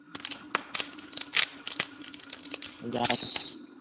লম্ব-ভর বৃত্ত